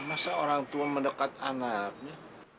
masa orang tua mendekat anaknya